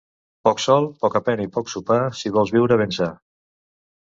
Poc sol, poca pena i poc sopar, si vols viure ben sa.